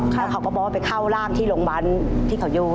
แล้วเขาก็บอกว่าไปเข้าร่างที่โรงพยาบาลที่เขาอยู่